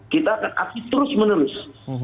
kita akan aktif terus menerus